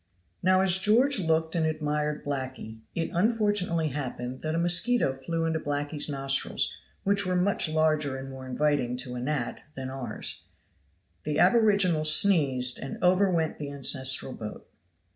Now as George looked and admired blackee, it unfortunately happened that a mosquito flew into blackee's nostrils, which were much larger and more inviting to a gnat than ours. The aboriginal sneezed, and over went the ancestral boat.